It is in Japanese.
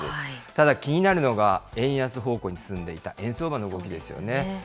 ただ気になるのが、円安方向に進んでいた円相場の動きですよね。